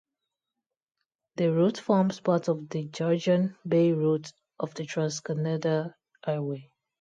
The route forms part of the Georgian Bay Route of the Trans-Canada Highway.